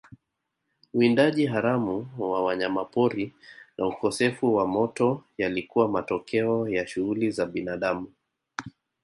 Uwindaji haramu wa wanyamapori na ukosefu wa moto yalikuwa matokeo ya shughuli za binadamu